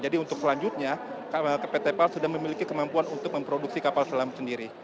jadi untuk selanjutnya pt pal sudah memiliki kemampuan untuk memproduksi kapal selam sendiri